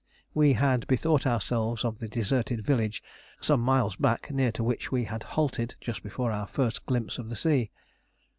We had bethought ourselves of the deserted village some miles back, near to which we had halted just before our first glimpse of the sea.